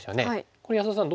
これ安田さん